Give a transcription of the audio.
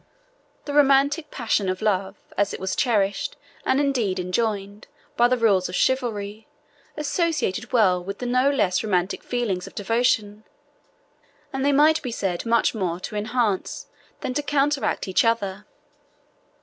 The romantic passion of love, as it was cherished, and indeed enjoined, by the rules of chivalry, associated well with the no less romantic feelings of devotion; and they might be said much more to enhance than to counteract each other.